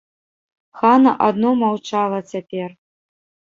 Хана адно маўчала цяпер.